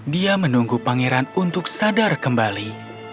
dia menunggu pangeran untuk sadar kembali